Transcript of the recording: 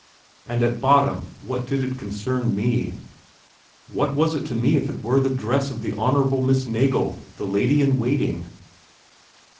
And at bottom what did it concern me? What was it to me if it were the dress of the Hon. Miss Nagel, the lady in waiting?